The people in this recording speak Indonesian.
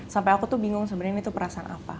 sampai aku tuh bingung sebenarnya ini tuh perasaan apa